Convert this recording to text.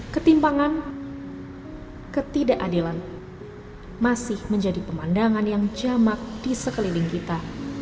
ketimpangan ketidakadilan masih menjadi pemandangan yang jamak di sekeliling kita